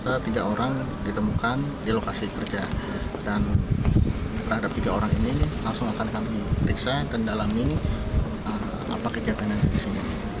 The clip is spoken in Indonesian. ternyata tiga orang ditemukan di lokasi kerja dan terhadap tiga orang ini langsung akan kami periksa dan dalami apa kegiatan yang ada di sini